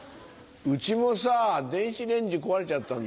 うちもさ電子レンジ壊れちゃったんだよ。